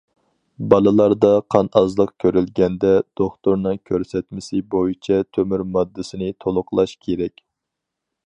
بالىلاردا قان ئازلىق كۆرۈلگەندە، دوختۇرنىڭ كۆرسەتمىسى بويىچە تۆمۈر ماددىسىنى تولۇقلاش كېرەك.